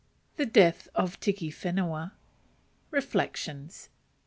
The Death of Tiki Whenua. Reflections.